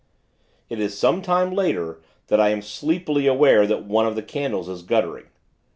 It is some time later, that I am sleepily aware that one of the candles is guttering.